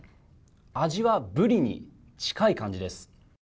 味はブリに近い感じです。